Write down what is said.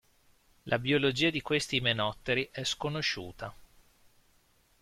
La biologia di questi imenotteri è sconosciuta.